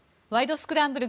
スクランブル」